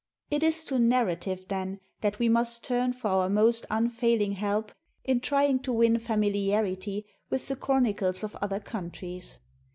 It is to narrative, then, that we must turn for our most unfailing help in trying to win familiarity with the chron icles of other countries.